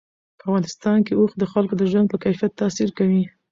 په افغانستان کې اوښ د خلکو د ژوند په کیفیت تاثیر کوي.